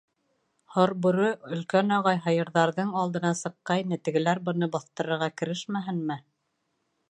Һорбүре — Өлкән Ағай һыйырҙарҙың алдына сыҡҡайны, тегеләр быны баҫтырырға керешмәһенме!